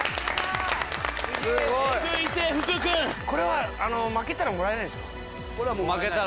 これは負けたらもらえないんですか？